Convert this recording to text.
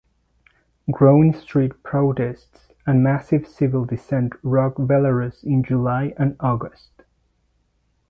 Growing street protests and massive civil dissent rocked Belarus in July and August.